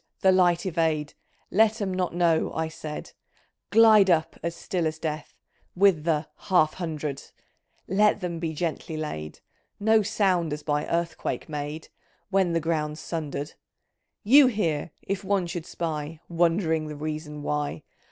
the light evade! Let 'em not know," I said ; "Glide up as still as death, With the ' Half hundred I ' Let them be gently laid ! No sound as by earthquake made When the ground's sunder'd! You here, if one should spy. Wondering the reason why